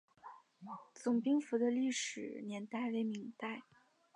总兵府的历史年代为明代。